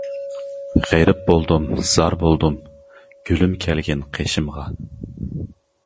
غېرىب بولدۇم زار بولدۇم، گۈلۈم كەلگىن قېشىمغا.